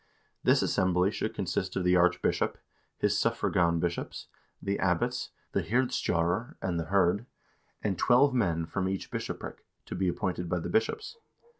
This assembly should consist of the archbishop, his suffragan bishops, the abbots, the hirdstjdrar and the hird, and twelve men from each bishopric, to be appointed by the bishops.